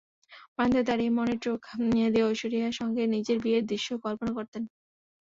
বারান্দায় দাঁড়িয়ে মনের চোখ দিয়ে ঐশ্বরিয়ার সঙ্গে নিজের বিয়ের দৃশ্যও কল্পনা করতেন।